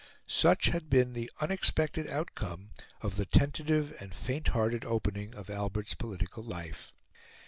Such had been the unexpected outcome of the tentative and fainthearted opening of Albert's political life.